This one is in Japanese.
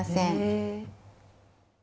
え。